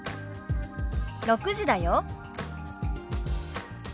「６時だよ」。